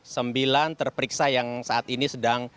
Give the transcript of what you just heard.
sembilan terperiksa yang saat ini sedang